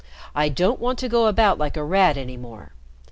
I don't want to go about like a rat any more.